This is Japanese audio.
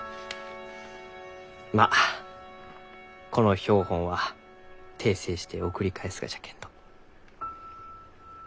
まあこの標本は訂正して送り返すがじゃけんど。